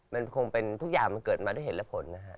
มันคงเป็นทุกอย่างมันเกิดมาด้วยเหตุและผลนะฮะ